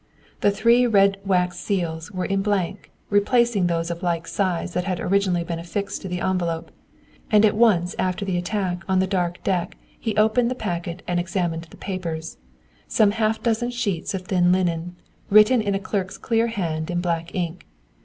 The three red wax seals were in blank, replacing those of like size that had originally been affixed to the envelope; and at once after the attack on the dark deck he opened the packet and examined the papers some half dozen sheets of thin linen, written in a clerk's clear hand in black ink.